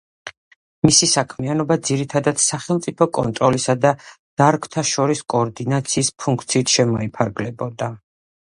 მისი საქმიანობა ძირითადად სახელმწიფო კონტროლისა და დარგთაშორისი კოორდინაციის ფუნქციით შემოიფარგლებოდა.